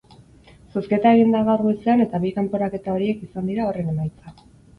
Zozketa egin da gaur goizean eta bi kanporaketa horiek izan dira horren emaitza.